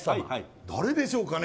誰でしょうかね？